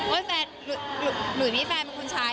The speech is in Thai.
โอ้ยแฟนหรือพี่แฟนเป็นคนใช้